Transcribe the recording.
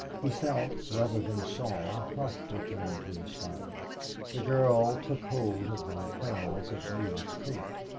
He felt rather than saw Hough return to his side. The girl took hold of the lapels of Neale's coat.